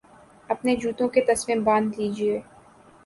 اپنے جوتوں کے تسمے باندھ لیجئے